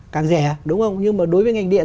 càng rẻ đúng không nhưng mà đối với ngành điện